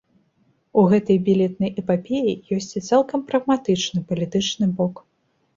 У гэтай білетнай эпапеі ёсць і цалкам прагматычны палітычны бок.